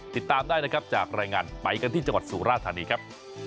ติดตามได้นะครับจากรายงานไปกันที่จังหวัดสุราธานีครับ